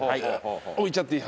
置いちゃっていい？